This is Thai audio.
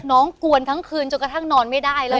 กวนทั้งคืนจนกระทั่งนอนไม่ได้เลย